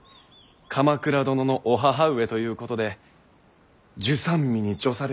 鎌倉殿のお母上ということで従三位に叙されるとのこと。